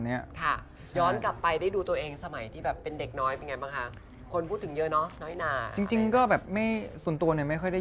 เดี๋ยวติดคุก